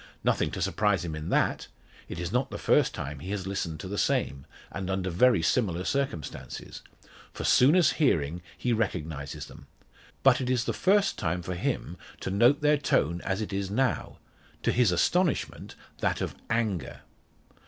Nothing to surprise him that? It is not first time he has listened to the same, and under very similar circumstances; for soon as hearing he recognises them. But it is the first time for him to note their tone as it is now to his astonishment that of anger.